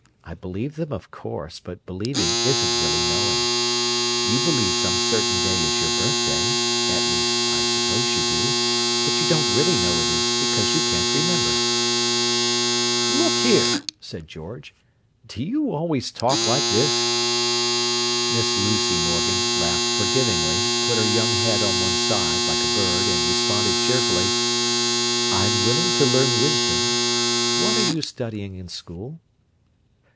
I believe them, of course, but believing isn't really knowing. You believe some certain day is your birthday—at least, I suppose you do—but you don't really know it is because you can't remember." "Look here!" said George. "Do you always talk like this?" Miss Lucy Morgan laughed forgivingly, put her young head on one side, like a bird, and responded cheerfully: "I'm willing to learn wisdom. What are you studying in school?"